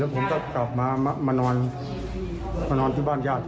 แล้วผมก็กลับมามานอนมานอนที่บ้านญาติครับ